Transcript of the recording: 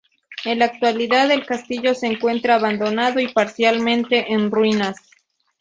En la actualidad el castillo se encuentra abandonado y parcialmente en ruinas.